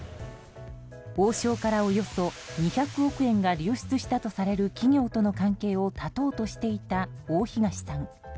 王将から、およそ２００億円が流出したとされる企業との関係を断とうとしていた大東さん。